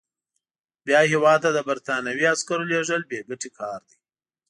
بیا هیواد ته د برټانوي عسکرو لېږل بې ګټې کار دی.